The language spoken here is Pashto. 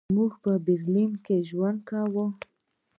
موږ برلین کې ژوند کوو.